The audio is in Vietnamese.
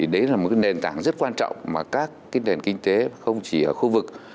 đấy là một nền tảng rất quan trọng mà các nền kinh tế không chỉ ở khu vực